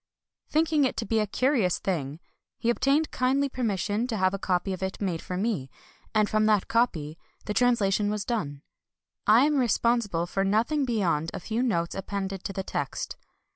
Thinking it to be a curious thing, he obtained kindly permission to have a copy of it made for me; and from that copy the translation was done. I am responsible for nothing beyond a few notes appended to the text.